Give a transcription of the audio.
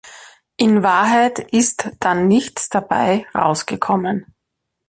In Wahrheit ist dann nichts dabei rausgekommen.